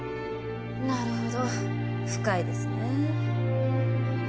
なるほど深いですねえ。